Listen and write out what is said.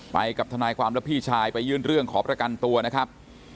ไปกับทนายความและพี่ชายไปยื่นเรื่องขอประกันตัวนะครับ